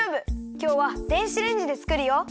きょうは電子レンジでつくるよ。